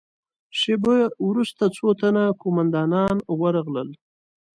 شېبه وروسته څو تنه قوماندانان ورغلل.